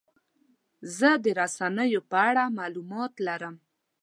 زه د رسنیو په اړه معلومات لرم.